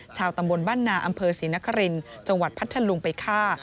ชาวตำบลบ้านนาอำเภอศรีนครินจังหวัดพัทธลุงไปฆ่า